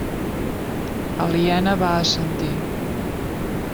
Aliena va assentir.